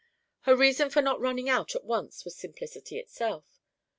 Her reason for not running out at once was simplicity itself.